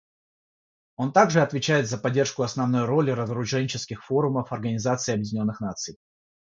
Он также отвечает за поддержку основной роли разоруженческих форумов Организации Объединенных Наций.